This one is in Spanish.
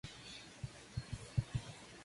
Luego seguía hacia el sur hacia Babilonia.